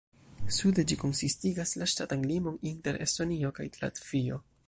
Sude ĝi konsistigas la ŝtatan limon inter Estonio kaj Latvio.